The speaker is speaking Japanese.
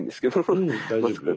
うん大丈夫よ。